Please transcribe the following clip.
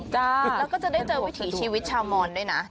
แล้วก็จะได้เจอวิถีชีวิตชาวมอนด้วยนะ